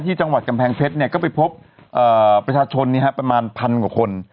ที่จังหวัดกำแพงเพชรเนี่ยก็ไปพบเอ่อประชาชนเนี่ยฮะประมาณพันกว่าคน